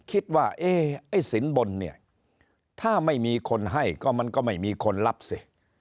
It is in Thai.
คิดว่าเอ๊ไอ้สินบนเนี่ยถ้าไม่มีคนให้ก็มันก็ไม่มีคนรับสิ